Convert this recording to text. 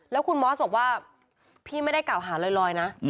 แล้วคุณมอสบอกว่าพี่ไม่ได้กล่าวหาลอยนะ